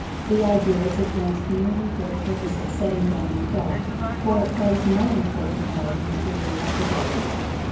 The idea is advanced merely for the purpose of setting down the thought, for it plays no important part in the theory of the book.